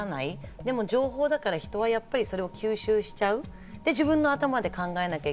でも情報だから人はやっぱりそれを吸収しちゃう。